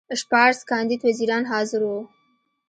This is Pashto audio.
شپاړس کاندید وزیران حاضر وو.